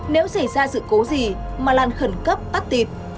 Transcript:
nếu xảy ra sự cố gì mà làn khẩn cấp tắt tịp